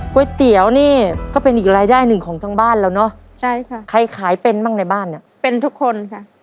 ก๋วยเตี๋ยวนี่ก็เป็นอีกรายได้หนึ่งของทั้งบ้านแล้วเนอะใช่ค่ะใครขายเป็นบ้างในบ้านเนี่ยเป็นทุกคนค่ะ